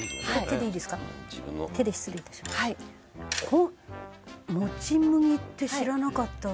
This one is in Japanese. このもち麦って知らなかったわ。